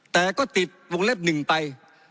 แต่ก็ติดวงเล็บ๑ไป